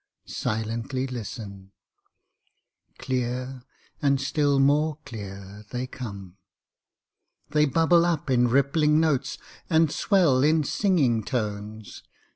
Silently listen! Clear, and still more clear, they come. They bubble up in rippling notes, and swell in singing tones.